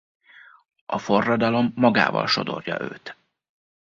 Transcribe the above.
A forradalom magával sodorja őt.